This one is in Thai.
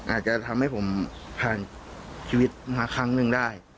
อาจจะทำให้ผมผ่านชีวิตมาครั้งหนึ่งได้